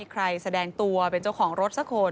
ก็ไม่มีใครแสดงตัวเป็นเจ้าของรถสักคน